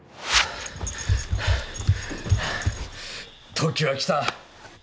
時は来た。